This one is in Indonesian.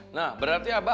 nah berarti abah